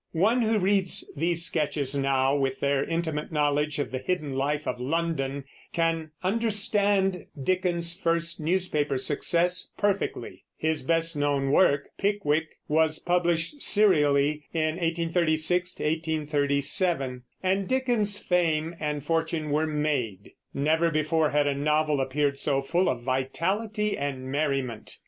One who reads these sketches now, with their intimate knowledge of the hidden life of London, can understand Dickens's first newspaper success perfectly. His best known work, Pickwick, was published serially in 1836 1837, and Dickens's fame and fortune were made. Never before had a novel appeared so full of vitality and merriment.